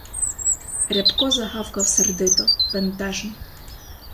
Рябко загавкав сердито, бентежно.